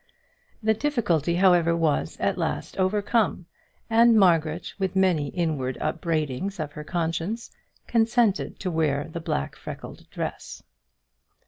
The difficulty, however, was at last overcome, and Margaret, with many inward upbraidings of her conscience, consented to wear the black freckled dress.